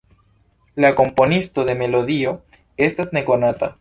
La komponisto de melodio estas nekonata.